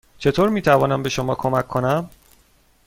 چطور می توانم به شما کمک کنم؟